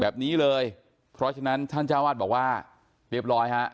แบบนี้เลยเพราะฉะนั้นท่านเจ้าวาดบอกว่าเรียบร้อยฮะ